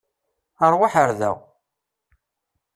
Ṛwaḥ ar da!